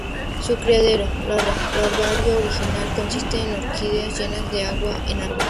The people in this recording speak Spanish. Su criadero larvario original consiste en oquedades llenas de agua en árboles.